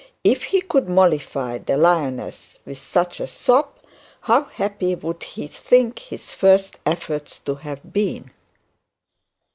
If he could mollify the lioness with such a sop, how happy would he think his first efforts had been?